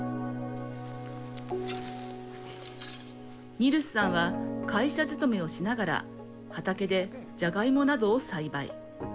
ニルスさんは会社勤めをしながら畑でジャガイモなどを栽培。